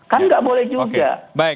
kan nggak boleh juga